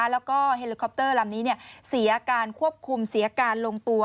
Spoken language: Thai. แล้วก็เฮลิคอปเตอร์ลำนี้เสียการควบคุมเสียการลงตัว